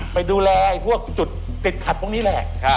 ไปดูแลพวกจุดติดขัดพวกนี้แหละ